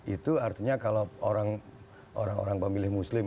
itu artinya kalau orang orang pemilih muslim